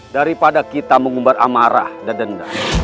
daripada kita mengumbar amarah dan denda